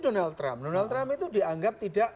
donald trump donald trump itu dianggap tidak